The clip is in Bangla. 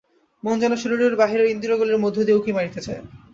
মন যেন শরীরের বাহিরে ইন্দ্রিয়গুলির মধ্য দিয়া উঁকি মারিতে চায়।